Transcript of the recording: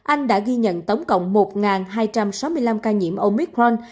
anh đã ghi nhận tổng cộng một hai trăm sáu mươi năm ca nhiễm omicron